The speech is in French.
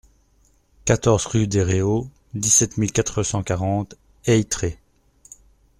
quatorze rue des Réaux, dix-sept mille quatre cent quarante Aytré